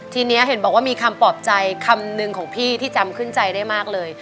ทีนี้เห็นบอกว่ามีคำปลอบใจคำหนึ่งของพี่ที่จำขึ้นใจได้มากเลย